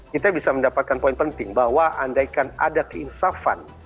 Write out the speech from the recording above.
kita bisa mendapatkan poin penting bahwa andaikan ada keinsafan